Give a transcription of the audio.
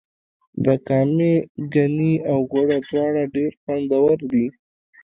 د کامې ګني او ګوړه دواړه ډیر خوندور دي.